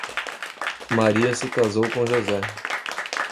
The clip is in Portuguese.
Maria se casou com José.